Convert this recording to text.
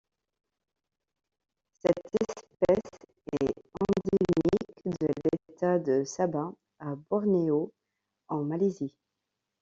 Cette espèce est endémique de l'état de Sabah à Bornéo en Malaisie.